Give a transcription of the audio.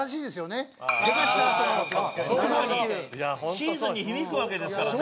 シーズンに響くわけですからね。